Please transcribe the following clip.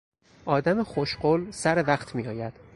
آدم خوش قول سر وقت میآید.